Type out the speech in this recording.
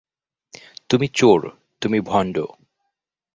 তুমি চোর, তুমি ভণ্ড!